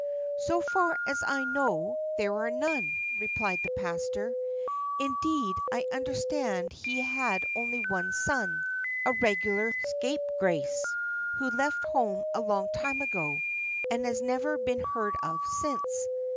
"So far as I know, there are none," replied the pastor, "indeed, I understand he had only one son, a regular scapegrace, who left home a long time ago, and has never been heard of since."